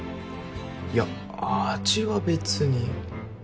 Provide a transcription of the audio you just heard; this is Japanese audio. いや味はべつに。